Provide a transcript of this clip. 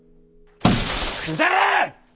くだらん！